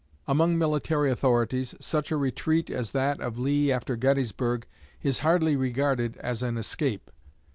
Among military authorities, such a retreat as that of Lee after Gettysburg is hardly regarded as an "escape."